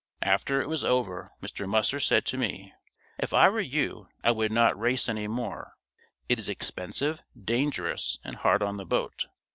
After it was over, Mr. Musser said to me, "If I were you, I would not race any more. It is expensive, dangerous and hard on the boat."